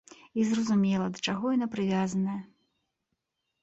І зразумела да чаго яна прывязаная.